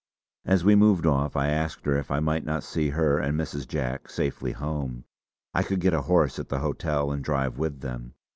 As we moved off I asked her if I might not see her and Mrs. Jack safely home. I could get a horse at the hotel and drive with them.